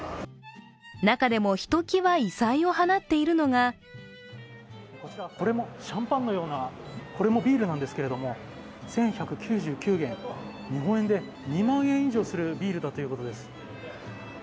中でもひときわ異彩を放っているのがこちら、シャンパンのようなこれもビールなんですけれども１１９９元、日本円で２万円以上するビールだということです。